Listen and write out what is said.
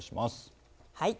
はい。